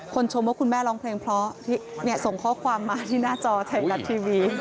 ชมว่าคุณแม่ร้องเพลงเพราะส่งข้อความมาที่หน้าจอไทยรัฐทีวี